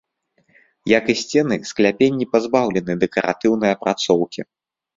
Як і сцены, скляпенні пазбаўлены дэкаратыўнай апрацоўкі.